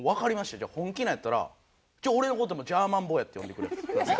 じゃあ本気なんやったらじゃあ俺の事もジャーマン坊やって呼んでください」。